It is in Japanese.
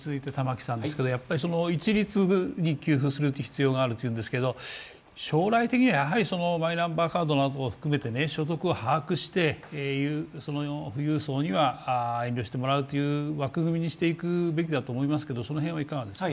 一律に給付する必要があるというんですが、将来的にはマイナンバーカードなどを含めて所得を把握して、富裕層には遠慮してもらうという枠組みにしていくべきだと思いますが、いかがですか。